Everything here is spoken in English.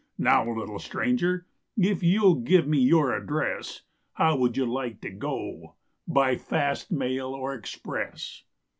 Now, little stranger, if you'll give me your address, How would you like to go, by fast mail or express?"